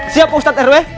siap pak ustadz rw